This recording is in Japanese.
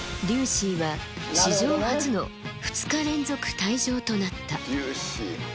デューシーは史上初の２日連続退場となった。